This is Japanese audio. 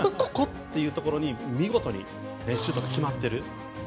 ここっていうところにシュートが決まってる。